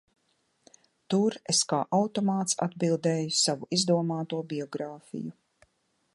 Tur es kā automāts atbildēju savu izdomāto biogrāfiju.